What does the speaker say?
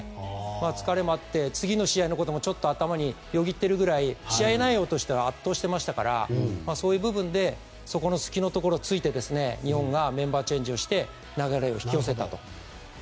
疲れもあって次の試合のこともちょっと頭によぎっているぐらい試合内容としては圧倒していましたからそういう部分でそこの隙を突いて日本がメンバーチェンジをして流れを引寄せたと。